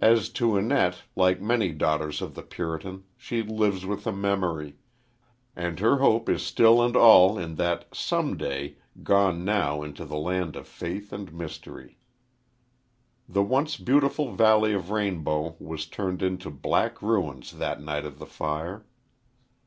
As to Annette, like many daughters of the Puritan, she lives with a memory, and her hope is still and all in that "some day," gone now into the land of faith and mystery. The once beautiful valley of Rainbow was turned into black ruins that night of the fire.